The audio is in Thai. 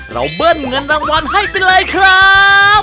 เบิ้ลเงินรางวัลให้ไปเลยครับ